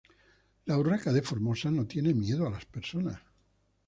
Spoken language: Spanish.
La urraca de Formosa no tiene miedo a las personas.